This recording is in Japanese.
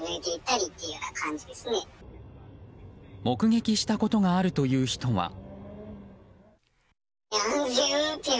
目撃したことがあるという人は。